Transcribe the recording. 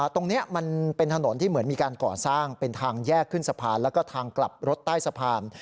ตรงนี้มันเป็นถนนที่เหมือนมีการก่อสร้างเป็นทางแยกขึ้นสะพานแล้วก็ทางกลับรถใต้สะพาน